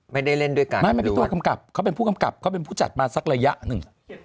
ไม่ได้เล่นด้วยกันไม่มันพี่ตัวกำกับเขาเป็นผู้กำกับเขาเป็นผู้จัดมาสักระยะหนึ่ง